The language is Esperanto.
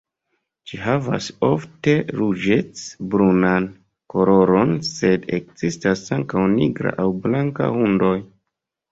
Ĝi havas ofte ruĝec-brunan koloron, sed ekzistas ankaŭ nigra aŭ blanka hundoj.